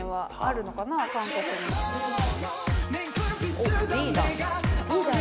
おっリーダー。